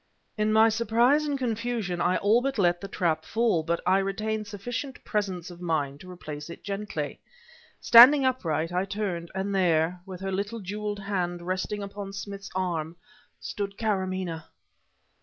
In my surprise and confusion I all but let the trap fall, but I retained sufficient presence of mind to replace it gently. Standing upright, I turned... and there, with her little jeweled hand resting upon Smith's arm, stood Karamaneh!